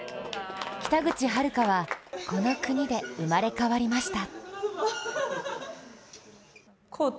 北口榛花はこの国で生まれ変わりました。